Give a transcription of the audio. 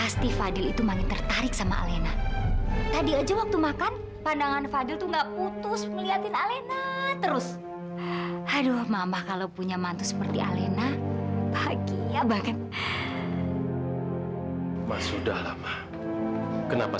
sampai jumpa di video selanjutnya